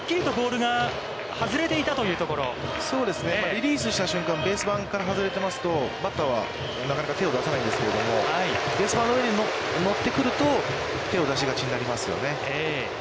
リリースした瞬間、ベース板、外れてますと、バッターはなかなか手を出さないんですけれども、ベース板の上に乗ってくると、手を出しがちになりますよね。